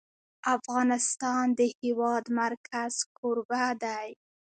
افغانستان د د هېواد مرکز کوربه دی.